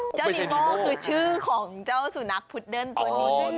เจ้านีโม่คือชื่อของเจ้าสุนัขพุดเดิ้ลตัวนี้ใช่ไหม